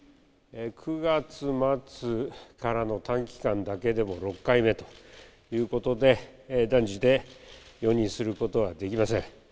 ９月末からの短期間だけでも６回目ということで、断じて容認することはできません。